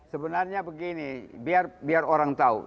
sebenarnya begini biar orang tahu